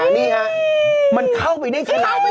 นี่ครับมันเข้าไปได้ยังไง